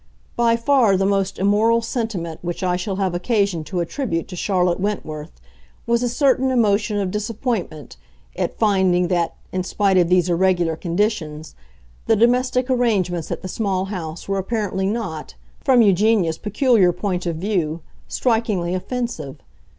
By far the most immoral sentiment which I shall have occasion to attribute to Charlotte Wentworth was a certain emotion of disappointment at finding that, in spite of these irregular conditions, the domestic arrangements at the small house were apparently not—from Eugenia's peculiar point of view—strikingly offensive.